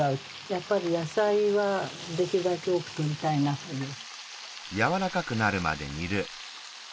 やっぱり野菜はできるだけ多くとりたいなという。